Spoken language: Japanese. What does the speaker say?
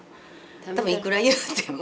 多分いくら言うても。